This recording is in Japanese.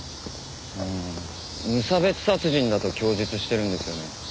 うーん無差別殺人だと供述してるんですよね。